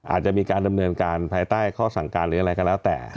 อาจจะมีการดำเนินการภายใต้ข้อสั่งการหรืออะไรก็แล้วแต่